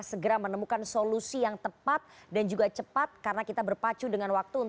hadapi kalau hal itu kita tidak lakukan